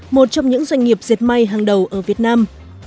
một trong những doanh nghiệp diệt may hàng đầu ở việt nam